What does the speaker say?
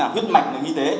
đấy là huyết mạch nguyên y tế